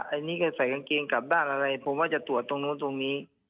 อันนี้แกใส่กางเกงกลับด้านอะไรผมว่าจะตรวจตรงนู้นตรงนี้